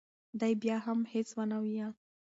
دې بیا هم هیڅ ونه ویل.